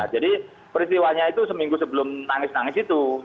jadi peristiwanya itu seminggu sebelum nangis nangis itu